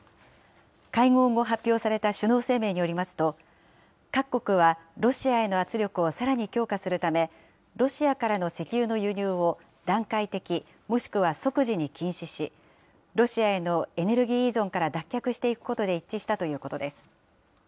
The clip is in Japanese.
会合後、発表された首脳声明によりますと、各国はロシアへの圧力をさらに強化するため、ロシアからの石油の輸入を段階的、もしくは即時に禁止し、ロシアへのエネルギー依存から脱却していくことで一致したということです。